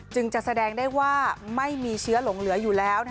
จะแสดงได้ว่าไม่มีเชื้อหลงเหลืออยู่แล้ว